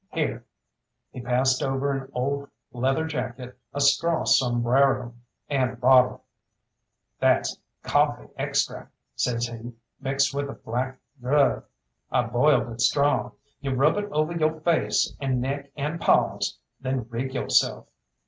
Here," he passed over an old leather jacket, a straw sombrero, and a bottle. "That's cawffee extract," says he, "mixed with a black drug. I boiled it strong. You rub it over yo' face and neck and paws, then rig yo'self."